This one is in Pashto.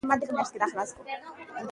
جلګه د افغانستان د طبعي سیسټم توازن ساتي.